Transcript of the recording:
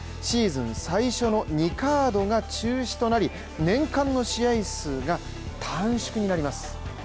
シーズン最初の２カードが中止となり年間の試合数が短縮になります。